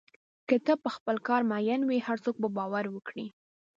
که ته په خپل کار مین وې، هر څوک به باور وکړي.